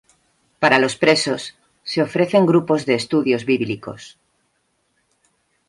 Para los presos, se ofrecen grupos de estudios bíblicos.